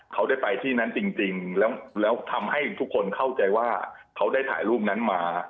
เขาได้ไปที่นั้นจริงแล้วทำให้ทุกคนเข้าใจว่าเขาได้ถ่ายรูปนั้นมา